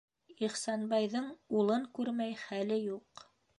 Ихсанбайҙың улын күрмәй хәле юҡ.